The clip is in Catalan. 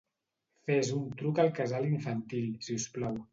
Fes un truc al casal infantil, si us plau.